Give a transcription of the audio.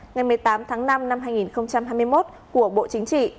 ngày một mươi tám tháng năm năm hai nghìn hai mươi một của bộ chính trị